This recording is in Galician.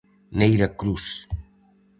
Neira Cruz.